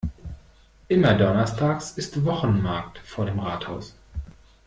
Immer donnerstags ist Wochenmarkt vor dem Rathaus.